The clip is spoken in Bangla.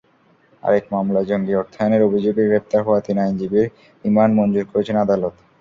আরেক মামলায় জঙ্গি অর্থায়নের অভিযোগে গ্রেপ্তার হওয়া তিন আইনজীবীর রিমান্ড মঞ্জুর করেছেন আদালত।